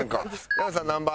山内さん何番？